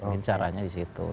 mungkin caranya disitu